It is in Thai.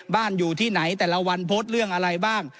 อยู่ที่ไหนแต่ละวันโพสต์เรื่องอะไรบ้าง